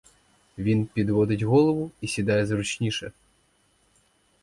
Він підводить голову і сідає зручніше.